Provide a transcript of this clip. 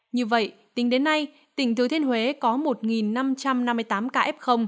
như vậy tính đến nay tỉnh thứa thiên huế có một năm trăm năm mươi tám kf